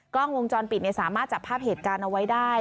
กล้องวงจรปิดสามารถจับภาพเหตุการณ์เอาไว้ได้